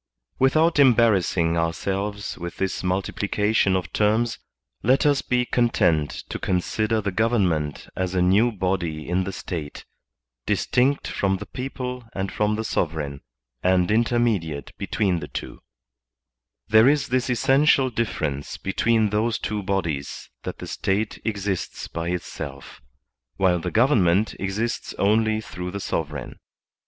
Without embarrassing ourselves with this multiplication of terms, let us be content to consider the government as a new body in the State, distinct from the people and from the sovereign, and intermediate between the twa There is this essential difference between those two bodies, that the State exists by itself, while the govern ment exists only through the sovereign.